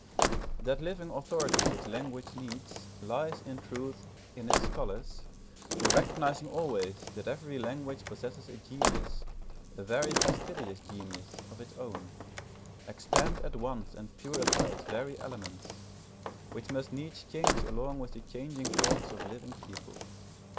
That living authority which language needs lies, in truth, in its scholars, who recognising always that every language possesses a genius, a very fastidious genius, of its own, expand at once and purify its very elements, which must needs change along with the changing thoughts of living people.